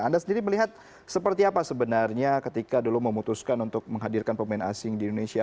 anda sendiri melihat seperti apa sebenarnya ketika dulu memutuskan untuk menghadirkan pemain asing di indonesia